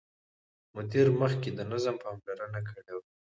مدیر مخکې د نظم پاملرنه کړې وه.